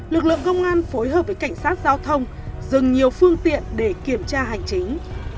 lực lượng công an phối hợp với cảnh sát giao thông dừng nhiều phương tiện để kiểm tra hành chính